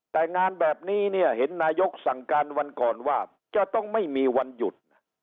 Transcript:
แต่งานแบบนี้เนี่ยเห็นนายกสั่งการวันก่อนว่าจะต้องไม่มีวันหยุด